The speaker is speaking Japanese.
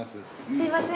すみません